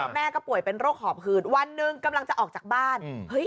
แม่ก็ป่วยเป็นโรคหอบหืดวันหนึ่งกำลังจะออกจากบ้าน